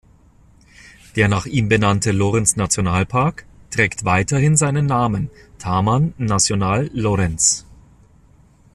Der nach ihm benannte Lorentz-Nationalpark trägt weiterhin seinen Namen: „Taman Nasional Lorentz“.